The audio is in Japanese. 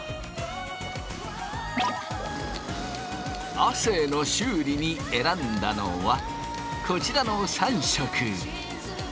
亜生の修理に選んだのはこちらの３色。